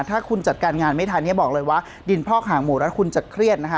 ถ้าคุณจัดการงานไม่ทันเนี่ยบอกเลยว่าดินพอกหางหมูรัดคุณจะเครียดนะคะ